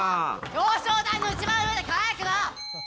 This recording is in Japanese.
「表彰台の一番上で輝くの！」